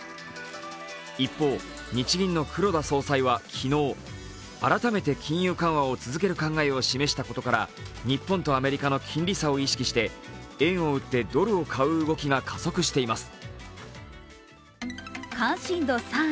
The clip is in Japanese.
一方、日銀の黒田総裁は昨日改めて金融緩和を続ける考えを示したことから日本とアメリカの金利差を意識して円を売ってドルを買う動きが加速しています。